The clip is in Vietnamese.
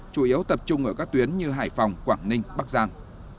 chủ yếu tập trung ở các tuyến như hải phòng quảng ninh bắc giang